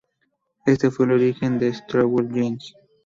Este fue el origen de Wrangler Jeans.